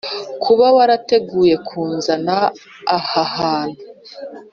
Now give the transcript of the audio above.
kuba warateguye kunzana aha hantu